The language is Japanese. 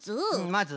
まず？